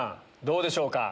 どうでしょうか？